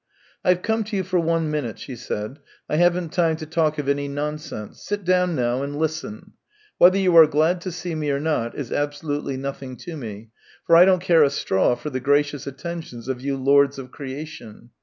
" I've come to you for one minute," she said. I haven't time to talk of any nonsense. Sit down and listen. Whether you are glad to see me or not is absolutely nothing to me, for I don't care a straw for the gracious attentions of you lords of creation.